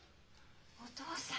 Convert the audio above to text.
お父さん。